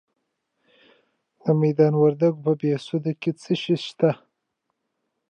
د میدان وردګو په بهسودو کې څه شی شته؟